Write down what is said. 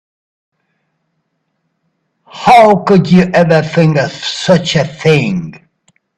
How could you ever think of such a thing?